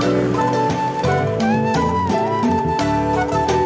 pergerakan telat seperti ini sendiri